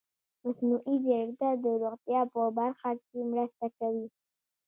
مصنوعي ځیرکتیا د روغتیا په برخه کې مرسته کوي.